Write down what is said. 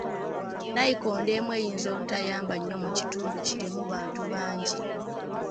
Nayikondo emu eyinza obutayamba nnyo mu kitundu kirimu bantu bangi.